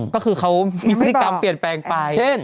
ก็คือเขามีพฤติกรรมเปลี่ยนแปลงไปเช่น